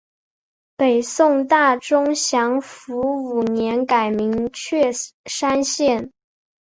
北宋大中祥符五年改名确山县。